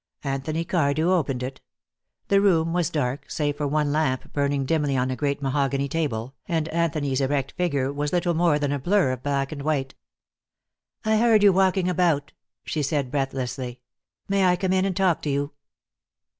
Anthony Cardew opened it. The room was dark, save for one lamp burning dimly on a great mahogany table, and Anthony's erect figure was little more than a blur of black and white. "I heard you walking about," she said breathlessly. "May I come in and talk to you?"